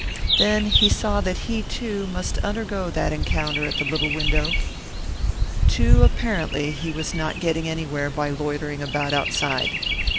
Then he saw that he, too, must undergo that encounter at the little window. Too apparently he was not getting anywhere by loitering about outside.